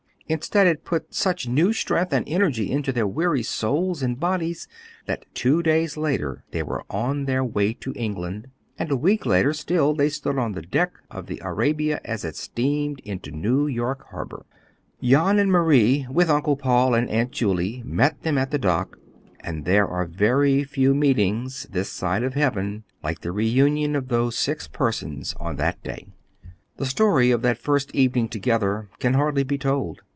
Instead it put such new strength and energy into their weary souls and bodies that two days later they were on their way to England, and a week later still they stood on the deck of the Arabia as it steamed into New York Harbor. Jan and Marie with Uncle Paul and Aunt Julie met them at the dock, and there are very few meetings, this side of heaven, like the reunion of those six persons on that day. The story of that first evening together can hardly be told.